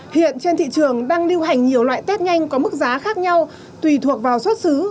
hiện trên thị trường đang lưu hành nhiều loại test nhanh có mức giá khác nhau tùy thuộc vào xuất xứ